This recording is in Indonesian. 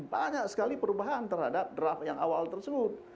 banyak sekali perubahan terhadap draft yang awal tersebut